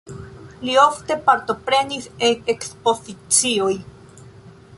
Li ofte partoprenis en ekspozicioj.